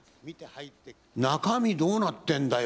中身、どうなってんだよ。